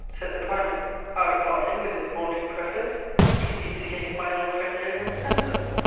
Said the Primate, 'Out upon him, with his vaunting preface, he speakes against my old friend, Edmund Spenser.'